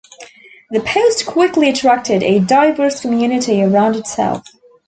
The post quickly attracted a diverse community around itself.